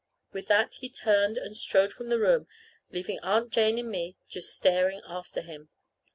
With that he turned and strode from the room, leaving Aunt Jane and me just staring after him.